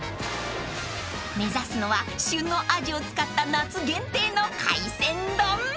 ［目指すのは旬のアジを使った夏限定の海鮮丼］